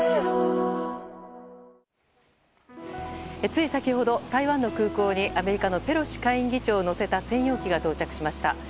つい先ほど、台湾の空港にアメリカのペロシ下院議長を乗せた専用機が到着しました。